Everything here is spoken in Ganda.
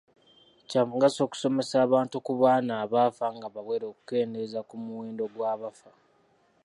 Kya mugaso okusomesa abantu ku baana abafa nga bawere okukendeeza ku muwendo gw'abafa.